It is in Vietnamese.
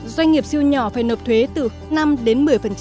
doanh nghiệp siêu nhỏ phải nộp thuế từ năm đến một mươi